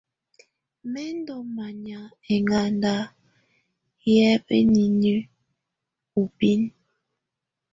Mɛ̀ ndù manya ɛŋganda yɛ̀ bǝnǝni ù binǝ.